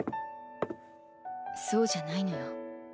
そうじゃないのよ。